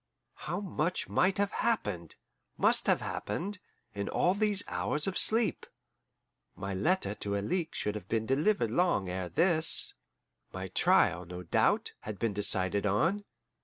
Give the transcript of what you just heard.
How much might have happened, must have happened, in all these hours of sleep! My letter to Alixe should have been delivered long ere this; my trial, no doubt, had been decided on.